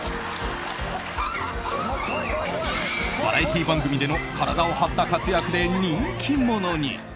バラエティー番組での体を張った活躍で人気者に。